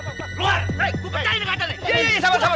kupacain yang katanya